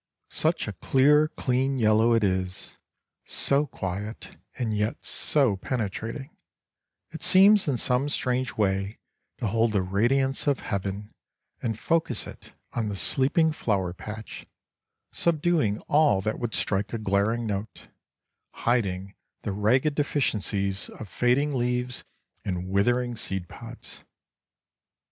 Such a clear, clean yellow it is; so quiet and yet so penetrating; it seems in some strange way to hold the radiance of heaven and focus it on the sleeping Flower patch, subduing all that would strike a glaring note, hiding the ragged deficiencies of fading leaves and withering seed pods.